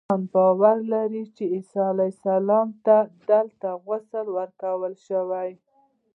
عیسویان باور لري چې عیسی علیه السلام ته دلته غسل ورکړل شوی.